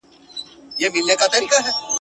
د جګړې برخلیک ته بدلون ورکول کېږي.